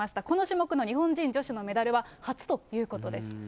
この種目の日本人女子のメダルは初ということです。